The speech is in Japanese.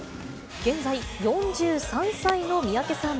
現在、４３歳の三宅さん。